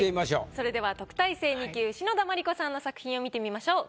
それでは特待生２級篠田麻里子さんの作品を見てみましょう。